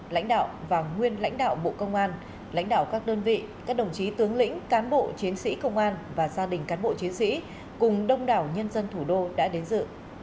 lãnh đạo và nguyên lãnh đạo bộ công an lãnh đạo các đơn vị các đồng chí tướng lĩnh cán bộ chiến sĩ công an và gia đình cán bộ chiến sĩ cùng đông đảo nhân dân thủ đô đã đến dự